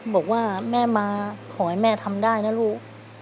บอกว่าแม่มาขอให้แม่ทำได้นะลูก